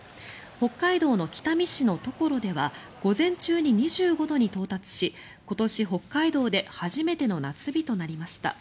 北海道の北見市の常呂では午前中に２５度に到達し今年、北海道で初めての夏日となりました。